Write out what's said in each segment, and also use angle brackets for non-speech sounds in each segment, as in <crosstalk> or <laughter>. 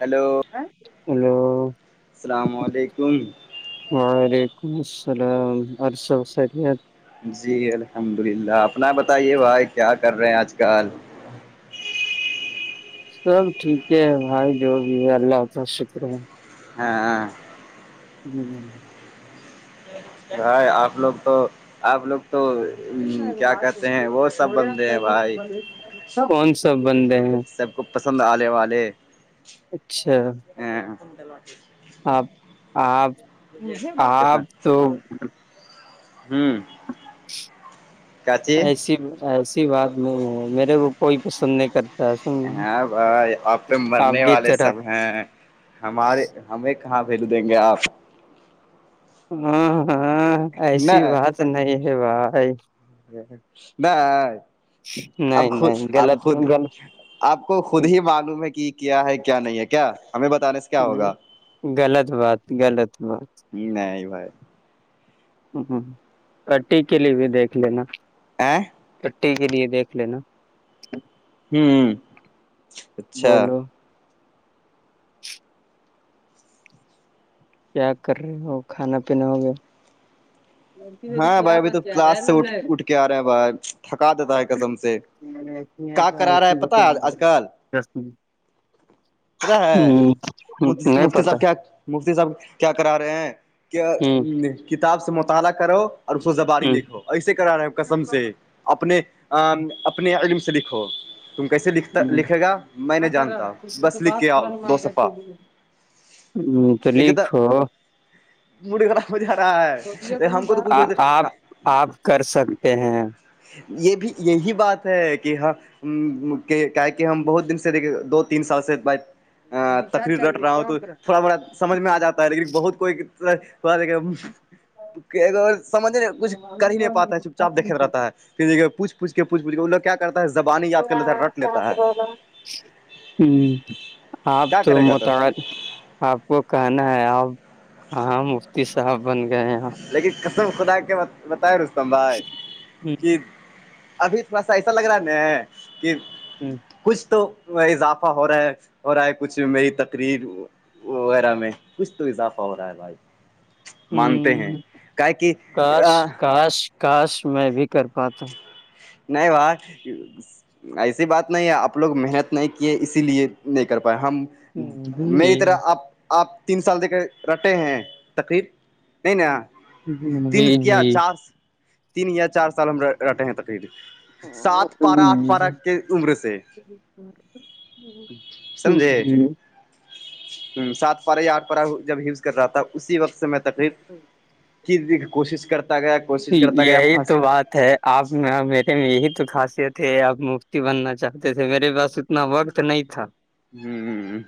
Hello ہاں hello السلام علیکم وعلیکم السلام عرش و خریت جی الحمد للہ اپنا بتائیے بھائی کیا کر رہے ہیں آج کل سب ٹھیک ہے بھائی جو بھی ہے اللہ کا شکر ہے ہاں ہاں جی جی جی ہائی آپ لوگ تو آپ لوگ تو سننا کیا بات کہتے ہوتی ہیں وہ سب تھڑے ہم بندے ہیں گ بھائی بڑ کون سا بندے ہیں سب کو پسند آنے اچھا ہ آپ آپ کتنا آپ تو ہوں کاچی ایسی ایسی بات نہیں ہے میرے کو کوئی پسند نہیں کرتا ہے سن ہاں بھائی آپ پہ مرنے آپ کی والے طرح سب <unintelligible> ہاں ہمارے ہمیں کہاں ویلو دیں گے آپ ہاں ہاں ایسی بات نہیں ہے بھائی نہیں اب نہیں خود نہیں آپ غلط خود آپ کو خود ہی معلوم ہے کہ کیا ہے کیا نہیں ہے کیا ہمیں بتانے سے کیا ہوگا غلط بات غلط بات نہیں بھائی ہ ہ پٹی کے لیے بھی دیکھ لینا آ چٹی کے لیے دیکھ لینا ہوں اچھا بولو کیا کر رہے ہو کھانا پینا ہو گیا <inaudible> لڑکی لڑکی ہاں کیا بھائی ابھی تو بس جا رہا ہے کلاس سےٹھ اٹھ کے آ رہے ہیں بھائی تھکا دیتا ہے کسم سے ای کا کرا رہا ہے ای ب پتا آج کل ہ پتا ہے نہیں مفتی پتا صاحب کیا مفتی صاحب کیا کرا رہے ہیں کہ ہ کتاب سے مطالعہ کرو اور اس کو زباری لکھو ایسے کرا رہے کسم سے اپنے اپنے علم سے لکھو تم کیسے لکھتا لکھے گا میں ہ نہیں کر رہا جانتا ہے؟ کچھ تو بس لکھ بات کے آؤ دو صفہ تلییک ہو مڑ گ رہا م جارا آپ آپ کر سکتے ہیں یہ بھی یہی بات ہے کہ ہاں کہ کا کہ ہم بہت دن سے دو تین سال سے ب ا تکریف رٹ رہا ہو تو تھوڑا بوڑا سمجھ میں آ جاتا ہے لیکن بہت کوئی سمجھنے کچھ کر ہی نہیں پاتا ہے چپ چاپ دیکھ رہتا ہے کہ جگ پوچھوچ کے پوچ پچھ کے وہ ل کیا کرتا ہے زبان ہی ہ یاد کر لیتا ہے رٹ لیتا ہے ہ آپ کیا تو کرے گا مت آپ کو کہنا ہے آپ کہاں مفتی صاحب بن گئے یہ لیکن قسم خدا کے بتائے رستم بھائی کہ ابھی تھوڑا سا ایسا لگ رہا ن کہ ہ کچھ تو اضافہ ہو رہا ہے ہو رہا ہے کچھ میری تقریر وغیرہ میں کچھ تو اضافہ ہو رہا ہے بھائی مان ہیں ہ کا کہ کاش کاش کاش میں بھی کر پاتا نہیں باہ ایسی بات نہیں ہے آپ لوگ محنت نہیں کیے اسی لیے نہیں کر پائے ہم جی میری طرح آپ آپ تین سال د رٹے ہیں تقریر <unintelligible> نہیں ن جی تین سے کیا جی چار سے تین یا چار سال ہم رہٹے ہیں تقریب سات پارہ آٹھ پارہ کی عمر سے <unintelligible> سمجھے جی جی ہ سات پار یا آٹھ پارہ جب یوز کر رہا تھا اسی وقت سے میں تقریر <unintelligible> کی کوشش کرتا گیا کوشش کرتا گیا یہی پس تو بات ہے آپ میں میرے میں یہی تو خاصیت ہے آپ مکتی بننا چاہتے تھے میرے پاس اتنا وقت نہیں تھا ہوں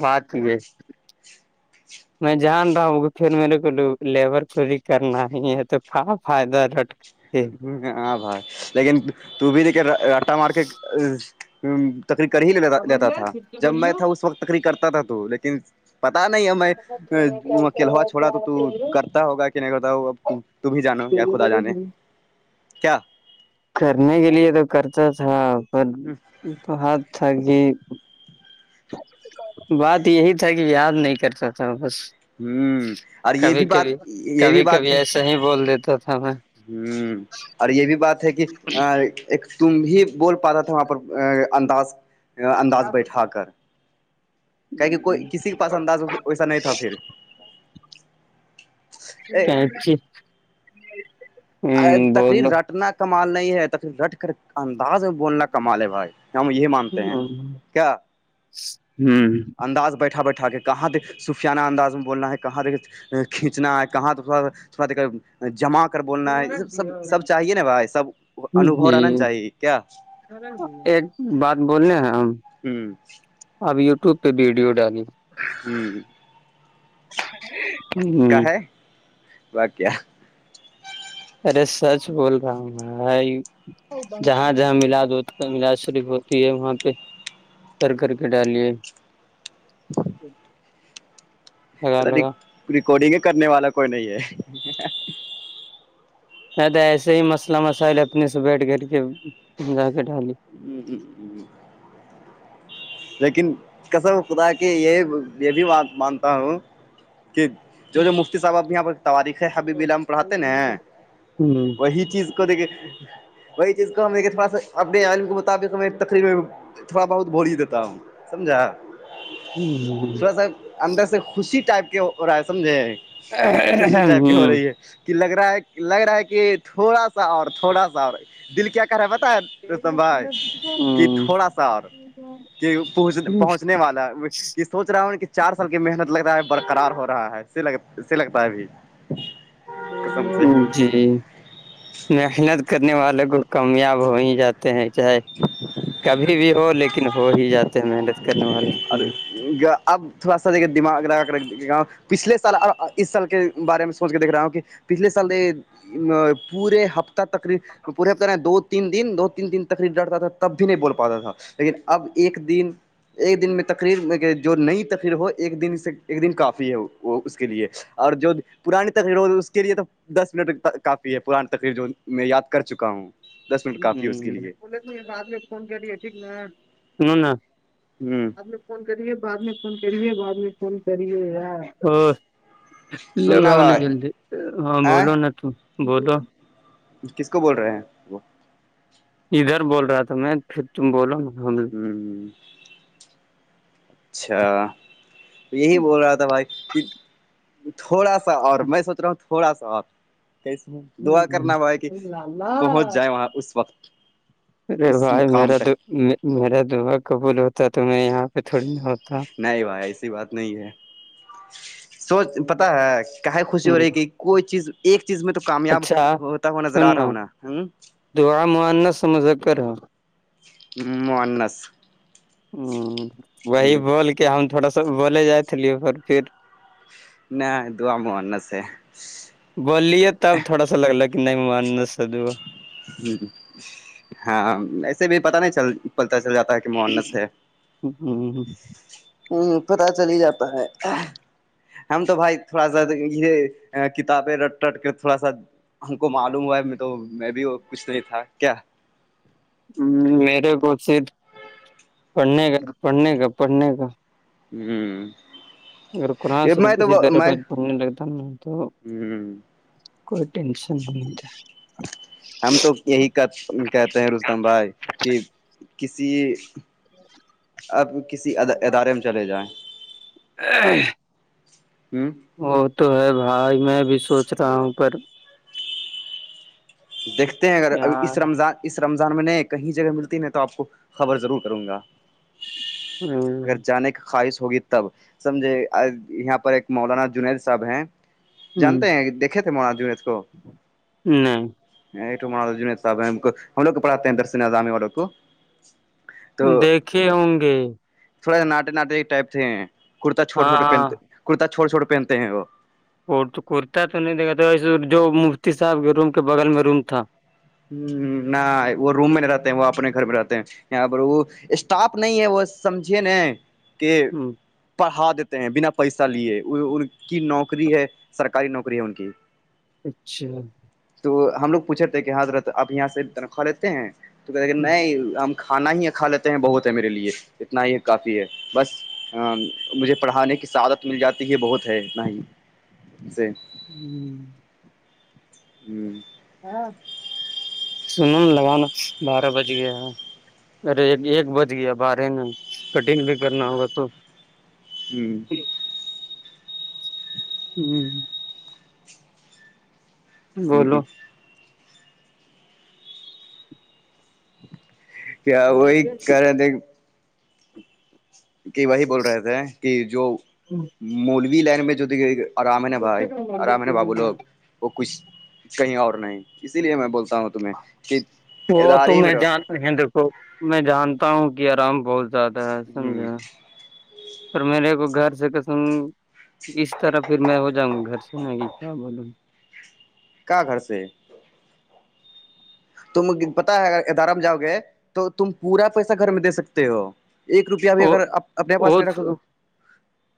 بات ہے میں جان رہا ہوں کہ پھر میرے کو لیبر کی کرنا ہی ہے تو کا فائدہ لٹ ہ ہاں بھائی لیکن ت بھی دیکھیے رٹا مارک تکری کر ہی لیتا تھا سے جب بولیے میں تھا اس وقت تکری کرتا تھا تو لیکن پتا نہیں ہے میں کلوا چھوڑا تو تو کرتا ہوگا کہ نہیں کرتا ہو ا تم ہی جانو یا خدا جانے کیا کرنے کے لیے تو کرتا تھا پر ہوں <unintelligible> تو ہات تھا گ ہی <unintelligible> بات یہی تھا کہ یاد نہیں کرتا تھا بس ہوں اور یہ کبھی بھی بات کبھی یہ بھی کبھی بات کبھی ہے ایسا ہی بول دیتا تھا میں <unintelligible> ہوں اور یہ بھی بات ہے کہ ایک تم ہی بول پا رہا تھا وہاں پر انداز انداز بیٹھا کر کہ کہہ کوئی کسی کے پاس انداز ویسا نہیں تھا پھر کاچی <unintelligible> تقریر رٹنا کمال نہیں ہے تقریر رٹ کر انداز میں بولنا کمال ہے بھائی ہم یہی مانتے ہیں کیا ہوں انداز بیٹھا بیٹھا کے کہاں د سوفیانہ انداز میں بولنا ہے کہاں د کھینچنا ہے کہاں تھوڑا تھوڑا د جمع کر بولنا ہے یہ سب سب سب چاہیے نا بھائی سب انوبو جی رہنا نا چاہیے کیا ایک بات بولنے ہیں ہم ہوں اب یوٹیوب پہ ویڈیو ڈالی ہ ہ کا ہے وقع <unintelligible> ارے سچ بول رہا ہوں میںائی <unintelligible> جہاں جہاں میلاد ہو ملاد شریف ہوتی ہے وہاں پہ کر کر کے ڈالے ر ریکارڈنگ کرنے والا کوئی نہیں ہے نہیں تو ایسے ہی مسئلہ مسائل اپنے سے بیٹھ کر کے جا کے ڈالی ہ ہ لیکن کسب خدا کے یہ <unintelligible> یہ بھی مانتا ہوں کہ جو جو مفتی صاحب اب یہاں پر تاریخ ہے حبیب عللم پڑاتے نا ہوں وہی چیز کو دیکھے وہی چیز کو ہم دیک تھوڑا سا <unintelligible> آدمی کے مطابق تقریب تھوڑا بہت بور ہی دیتا ہوں سمجھا <unintelligible> ہوں ہ ہ <unintelligible> ب اندر سے خوشی ٹائپ کے ہو رہا ہے سمجھے ہ خوشی ٹائپ کی ہو ہ رہی ہے کہ لگ رہا ہے لگ رہا ہے کہ تھوڑا سا اور تھوڑا سا اور دل کیا کر رہا ہے بتیں روتم بھائی کہ تھوڑا سا اور کہ پہنچ پہنچنے والا ک سوچ رہا ہوں کہ چار سال کی محنت لگ رہ ہے برقرار ہو رہا ہے ل سے لگتا ہے ابھی <unintelligible> <unintelligible> ب قسم سے اور جی محنت کرنے والے کو کامیاب ہو ہی جاتے ہیں چاہے کبھی بھی ہو لیکن ہو ہی جاتے ہیں محنت کرنے والے اور اب تھوڑاھ دماغ لگا کرکھ گاؤں پچھلے سال اور اس سال کے بارے میں سوچھ کے دیکھ رہا ہوں کہ پچھلے سال پورے ہفتہ تقریب پورے ہفتہ دو تین دن دو تین دن تکری ڈرتا تھا تب بھی نہیں بول پاتا تھا لیکن اب ایک دن ایک دن میں تقریر میں کہ جو نئی تقریر ہو ایک دن سے ایک دن کافی ہے وہ اس کے لئے اور جو پرانی تقریر ہوتی اس کے لیے تو دس منٹ کافی ہے پرانی تقریر جو میں یاد کر چکا ہوں دس منٹ کافی ہے اس کے لیے بعد میں فون کری ہے ٹھیک نا ہوں فون کرے بعد میں فون کرے بد میں فون کرے سننا لگاؤ ن بھائی جلدی ہاں ا بولو نا تو بولو کس کو بول رہے ہیں وہ ادھر بول رہا تھا میں پھر تم بولو نحمدلہ ہوں اچھا یہی بول رہا تھا بھائی کہ تھوڑا سا اور میں سوچھ رہا ہوں تھوڑا سا اور کیسے دعا کرنا ہوں ہوا ہے کہ پہنچ جائے وہاں اس وقت ارے اس بھائی مقام میرا تک میرا دعا قبول ہوتا تو میں یہاں پہ تھوڑی نہ ہوتا نہیں بھائی ایسی بات نہیں ہے سوچھ پتا ہے کہے خوشی ہو ہ رہی کہ کوئی چیز ایک چیز میں تو کامیاب اچھا ہوتا ہوا نظر آ رہا سننا ہو نا ہ دعا معاننا سمجھ کر ہ <inaudible> مانس ہ وہی بول کے ہم تھوڑا سا بولے جا لیے پر پھر نہ دعا مانگنے سے اا لگ کہ نہیں منا سادو ہ ہاں ایسے بھی پتا نہیں چل پلتا چل جاتا کہ مانس ہے ہہ۔ ہہم ہوں پتا چل ہی جاتا ہے ہم تو بھائی تھوڑا سا یہ کتابیں رٹ رٹ کے تھوڑا سا ہم کو معلوم ہوا تو میں بھی وہ کچھ نہیں تھا کیا ہ میرے بہت سے پڑھنے کا پڑھنے کا پڑھنے کا ہہم اگر قرآن شاریف کسی طر روز پڑھنے لگتا نا تو ہہم کوئی ٹینشن نہی رںتا ہم تو یہی کہتے ہیں رستم بھائی کہ کسی اب کسی ادارے میں چلے جائیں <inaudible> ہوں وہ تو ہے بھائی میں بھی سوچھ رہا ہوں پر دیکھتے ہیں اگر ابھی اس یار رمضان اس رمضان میں نہیں کہیں جگہ ملتی نہیں تو آپ کو خبر ضرور کروں گا ہوں، اگر جانے کے خواہش ہوگی تب سمجھے یہاں پر ایک مولانا جنید صاحب ہیں جانتے ہیں دیکھے تھے مولانا جنید کو نہیں، تو م صاحب ہے کو ہم لوگ کو پڑھاتے ہیں درسنظامی والوں کو- تو دیکھے ہوں گے تھوڑا ساٹے ناٹے ٹائپ سے ہیں کرتا چھٹے ہاں -چھٹے ہاں پہنتے کرتا چھٹے چھٹے پہنتے ہیں وہ کرتا تو نہیں دیکھا تھا وسے جو مفتی صاحب کے روم کے بغل میں روم تھا ہ نہ وہ روم میں نہیں رہتے ہیں وہ اپنے گھر میں رہتے ہیں پر وہ اسٹاف نہیں ہے وہ سمجھیے نا کے ہ پڑھا دیتے ہیں بنا پیسہ لیے ان کی نوکری ہے سرکار سرکاری نوکری ہے ان کی اچھا تو ہم لوگ پوچھ رہ تھے کہ حضرت آپ یہاں سے تنخواہ لیتے ہیں تو کہتے نہیں ہم کھانا ہی کھا لیتے ہیں بہت ہے میرے لیے اتنا ہی کافی ہے بس مجھے پڑھانے کی سعادت مل جاتی ہے بہت ہے- ہوں ہوں ہاں سن ن لگانا بارہ بج گیا ہے- ریڈی ایک بچ گیا بارے میں کٹنگ بھی کرنا ہوگا تو- ہوں ہوں بولو کیا وہی کرا دیک- کہ وہی بول رہے تھے کہ جو مولوی لائن میں جو د- آرام ہے نا بھائی آرام ہے نا بابو لوگ- وہ کچھ کہیں اور نہیں اسی لیے میں بولتا ہوں تمہیں کہ وہ ادار تو میں رہو- جانتے دیکھو میں جانتا ہوں کہ آرام بہت زیادہ ہے ہ سمجھیں اور میرے کو گھر سے کسم- اس طرح پھر میں ہو جاں گی گھر سے ن کہ کیا بولوں- کا گھر سے- تم پتا ہے ا ادارم جاؤ گے تو تم پورا پیسہ گھر میں دے سکتے ہو- ایک روپیہ ا بھی وہ اگرپ اپنے پاس نہیں رکھو تو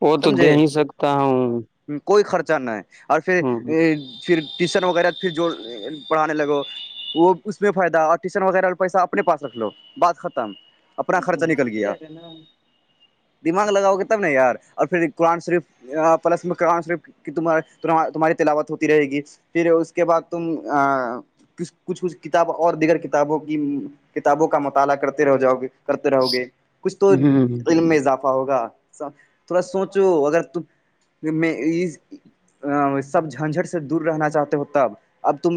وہ تو دے ہی سکتا ہوں سمجھے- کوئی خرچہ نہ، ہے اور پھر- ہ پھر ٹیشن وغیرہ پھر جو پڑھانے لگو وہ- اس میں فائدہ اور ٹیوشن وغیرہ والا پیسہ اپنے پاس رکھ لو بات ختم- اپنا خرچہ تو نکل ستی گیا جائے گا نا- دماغ لگاؤ گے تب نا یار اور پھر قرآن شریف- پلس میں ت تمہاری تلاوت ہوتی رہے گی- پھر اس کے بعد تم کچھ- کچھ- کچھ- کتاب اور دیگر کتابوں کی کتابوں کا مطالعہ کرتے رہ جاؤ گے- کرتے رہو گے کچھ تو علم میں اضافہ ہوگا- تھوڑا سوچو اگر تم میں- سب جھنجٹ سے دور رہنا چاہتے ہو تب اب تم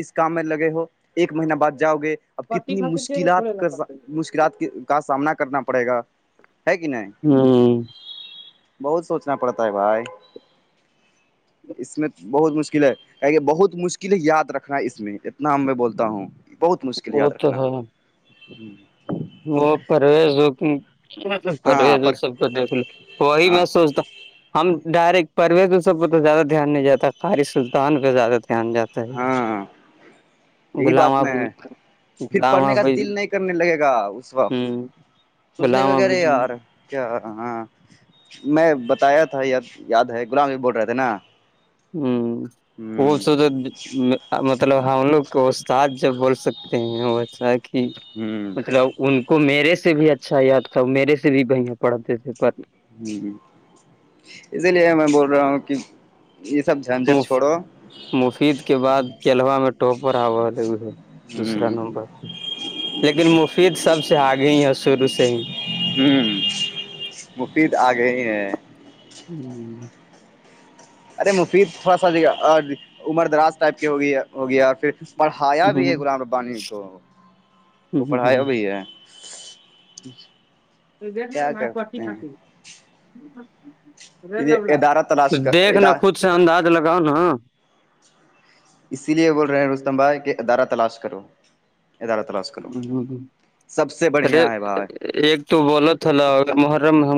اس کام میں لگے ہو- ایک مہینہ بعد جاؤ گے اب کتنی مشکلات کا مشکل- ات کا سامنا کرنا پڑے گا ہے کہ نہیں- ہاں- بہت سوچنا پڑتا ہے بھائی اس میں اس میں- بہت مشکل ہے کہ بہت مشکل ہے یاد رکھنا ہے اس میں اتنا میں بولتا ہوں- بہت مشکل ہے وہ یاد تو رکھنا- وہ پرویز جو کہ مطلب ہاں پر پرویز سب کو دیکھ لے وہی ہاں میں سوچتا ہو- ہم ڈائریکٹ پرویز سب پہ تو زیادہ دھیان نہیں جاتا قاری سلطان پہ زیادہ دھیان جاتا ہے- ہاں یہی غلام بات آب نہیں ہے پھر غلام پڑھنے کا آبی دل نہیں کرنے لگے گا اس وقت ہوں سوچنے غلام کا آبو ارے جی یار کیا ہاں میں بتایا تھا یاد یاد ہے غلام نبی بول رہے تھے نا ہو بو ہوں سعدد مطلب ہم لوگ کو استاد جب بول سکتے ہیں وہ چاہے کھینچ ہوں مطلب ان کو میرے سے بھی اچھا یاد تھا میرے سے بھی بھیاں پڑھتے تھے پر ہ اسی لیے میں بول رہا ہوں کہ یہ سب جھنجھٹ مف چھوڑو- مفید کے بعد کیلوا میں ٹاپر او تھے وہ لوگ- ہ دوسرا نمبر لیکن مفید صاحب سے اگئی اور سر- سے- ہوں مفید آ گئے ہی ہیں- ہوں ارے مفید تھوڑا سا دیکھیے اور عمر دراز ٹائپ کی ہو گئی ہو گیا- پھر پڑھایا بھی ہے غلام ربانی کو وہ پڑھایا بھیا- <inaudible> تو دیکھنا ان ایا پٹی کاتتی حا لیے یہ لورا ادارہ تو تلاش دیکھ کر نا خود سے انداز لگاؤ نا اسی لیے بول رہے ہیں رستم بھائی کہ ادارہ تلاش کرو ادارہ تلاش کرو سب سے ارے بڑھیا ہے بھائی ایک تو بولت تھالا ا محرم ہم